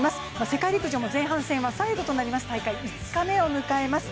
世界陸上も前半戦は最後となります大会５日目を迎えます。